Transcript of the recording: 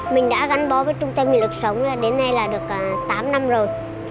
mình đã gắn bó với trung tâm nghị lực sống đến nay là được tám năm rồi